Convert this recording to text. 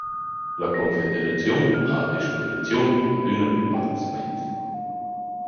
La confederaziun ha a disposiziun adüna plü pacs mezs.